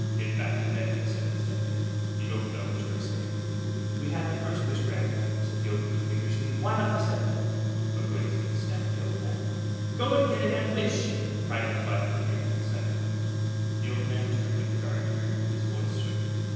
"Get back to bed," he said, unsteadily. "You don't know what you are saying." "We had the first wish granted," said the old woman, feverishly; "why not the second?" "A coincidence," stammered the old man. "Go and get it and wish," cried his wife, quivering with excitement. The old man turned and regarded her, and his voice shook.